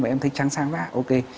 và em thấy trắng sáng ra ok